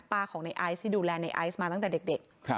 ของในไอซ์ที่ดูแลในไอซ์มาตั้งแต่เด็ก